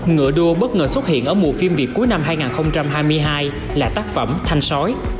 ngựa đua bất ngờ xuất hiện ở mùa phim việt cuối năm hai nghìn hai mươi hai là tác phẩm thanh sói